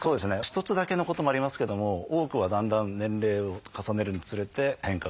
一つだけのこともありますけども多くはだんだん年齢を重ねるにつれて変化が起きて。